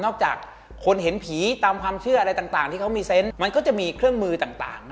จากคนเห็นผีตามความเชื่ออะไรต่างที่เขามีเซนต์มันก็จะมีเครื่องมือต่าง